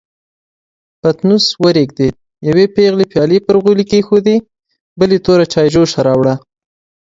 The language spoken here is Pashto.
پتنوس ورېږدېد، يوې پېغلې پيالې پر غولي کېښودې، بلې توره چايجوشه راوړه.